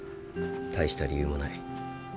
大した理由もない。